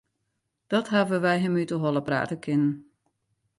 Dat hawwe wy him út 'e holle prate kinnen.